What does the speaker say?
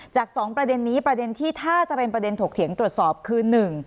สองประเด็นนี้ประเด็นที่ถ้าจะเป็นประเด็นถกเถียงตรวจสอบคือ๑